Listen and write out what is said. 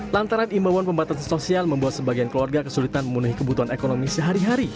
lantaran imabuan pembatasan sosial membuat sebagian keluarga kesulitan memenuhi kebutuhan ekonomi